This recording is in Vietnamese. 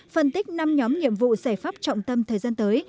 phân tích năm nhóm nhiệm vụ giải pháp trọng tâm thời gian tới